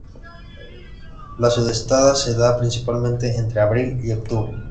La sudestada se da principalmente entre abril y octubre.